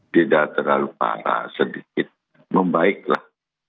tidak terlalu parah sedikit membaiklah